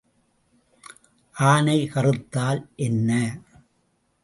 ஆனை கறுத்தால் என்ன?